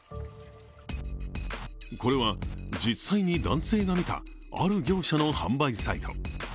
これは実際に男性が見たある業者の販売サイト。